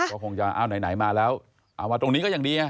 ก็คงจะเอาไหนมาแล้วเอามาตรงนี้ก็ยังดี